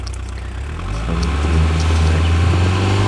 ومن دونهما جنتان